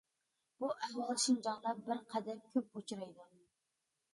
بۇ ئەھۋال شىنجاڭدا بىر قەدەر كۆپ ئۇچرايدۇ.